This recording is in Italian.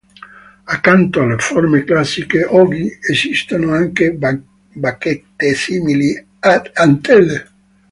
Accanto alle forme classiche, oggi esistono anche bacchette simili ad antenne.